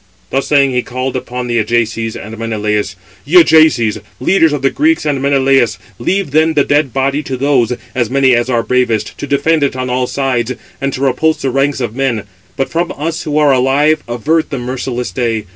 Thus saying, he called upon the Ajaces, and Menelaus: "Ye Ajaces, leaders of the Greeks, and Menelaus, leave then the dead body to those, as many as are bravest, to defend it on all sides, and to repulse the ranks of men; but from us who are alive avert the merciless day.